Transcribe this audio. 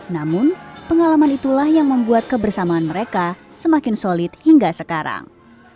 namun pengalaman itulah yang membuat kebersamaan mereka semakin solid hingga sekarang